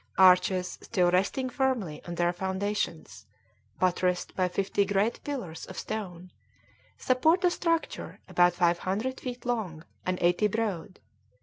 Arches, still resting firmly on their foundations, buttressed by fifty great pillars of stone, sup port a structure about five hundred feet long and eighty broad.